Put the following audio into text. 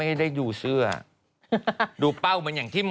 แฟน